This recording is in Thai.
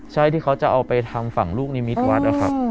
ใช่ที่เขาจะเอาไปทำฝั่งลูกนิมนต์วัด